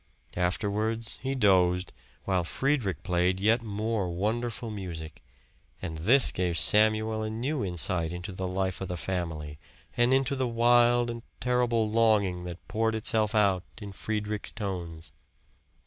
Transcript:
Afterwards he dozed, while Friedrich played yet more wonderful music, and this gave Samuel a new insight into the life of the family, and into the wild and terrible longing that poured itself out in Friedrich's tones.